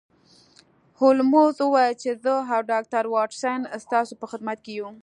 هولمز وویل چې زه او ډاکټر واټسن ستاسو په خدمت کې یو